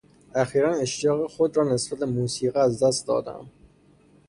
اخیرا اشتیاق خود را نسبت به موسیقی از دست دادهام.